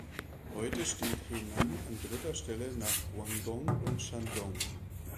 Heute steht Henan an dritter Stelle nach Guangdong und Shandong.